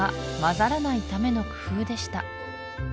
混ざらないための工夫でした